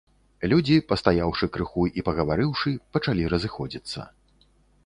Людзі, пастаяўшы крыху і пагаварыўшы, пачалі разыходзіцца.